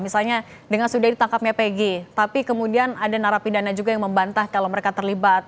misalnya dengan sudah ditangkapnya pg tapi kemudian ada narapidana juga yang membantah kalau mereka terlibat